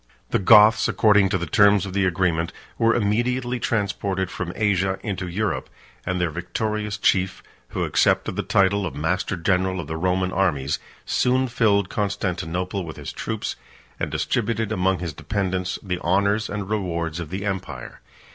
The Goths, according to the terms of the agreement, were immediately transported from Asia into Europe; and their victorious chief, who accepted the title of master general of the Roman armies, soon filled Constantinople with his troops, and distributed among his dependants the honors and rewards of the empire.